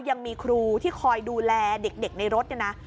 ยังมีครูที่คอยดูแลเด็กในรถเนี่ยนะ